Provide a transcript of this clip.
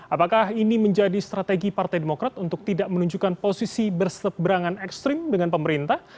apakah ini menjadi strategi partai demokrat untuk tidak menunjukkan posisi berseberangan ekstrim dengan pemerintah